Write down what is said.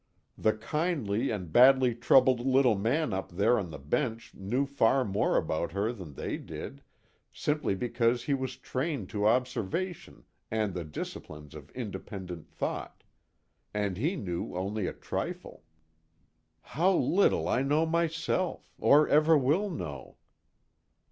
The kindly and badly troubled little man up there on the bench knew far more about her than they did, simply because he was trained to observation and the disciplines of independent thought; and he knew only a trifle. _How little I know myself, or ever will know!